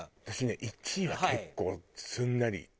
私ね１位は結構すんなり。